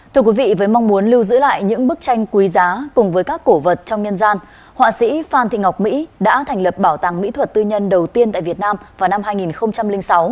thưa quý vị với mong muốn lưu giữ lại những bức tranh quý giá cùng với các cổ vật trong nhân gian họa sĩ phan thị ngọc mỹ đã thành lập bảo tàng mỹ thuật tư nhân đầu tiên tại việt nam vào năm hai nghìn sáu